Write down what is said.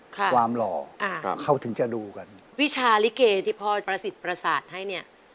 ความหล่ออ่าเขาถึงจะดูกันวิชาลิเกที่พ่อประสิทธิ์ประสาทให้เนี่ย